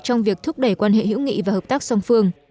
trong việc thúc đẩy quan hệ hữu nghị và hợp tác song phương